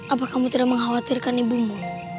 apa kamu tidak mengkhawatirkan ibumu